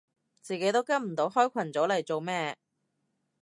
自己都跟唔到開群組嚟做咩